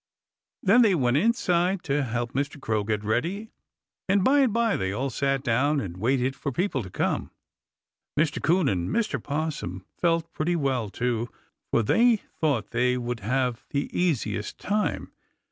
Then they went inside to help Mr. Crow get ready, and by and by they all sat down and waited for people to come. Mr. 'Coon and Mr. 'Possum felt pretty well, too, for they thought they would have the easiest time.